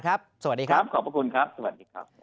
สวัสดีครับสวัสดีครับขอบคุณครับสวัสดีครับ